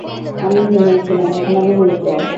আমি ঘুমিয়েছিলাম, এখন আমি মৃত।